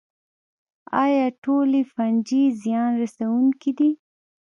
ایا ټولې فنجي زیان رسوونکې دي